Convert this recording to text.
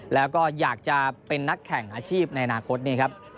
แล้วก็อยากจะเป็นนักแข่งอาชีพในอนาคตนี่ครับ